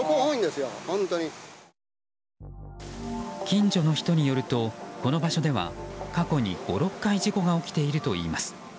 近所の人によるとこの場所は過去に５、６回事故が起きているといいます。